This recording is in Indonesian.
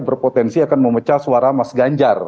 berpotensi akan memecah suara mas ganjar